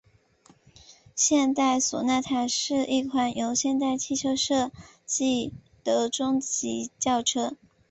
现代索纳塔是一款由现代汽车设计的中级轿车。